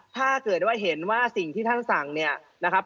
ถ้าเกิดว่าเห็นว่าสิ่งที่ท่านสั่งเนี่ยนะครับ